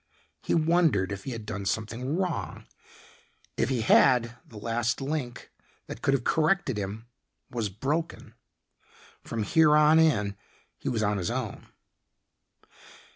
He wondered if he had done something wrong. If he had, the last link, that could have corrected him was broken. From here on in he was on his own.